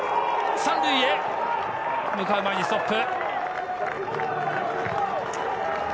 ３塁へ向かう前にストップ。